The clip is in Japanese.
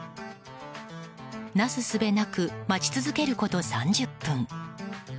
なすすべなく待ち続けること３０分。